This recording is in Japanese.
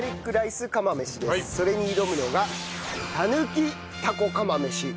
それに挑むのがたぬきタコ釜飯。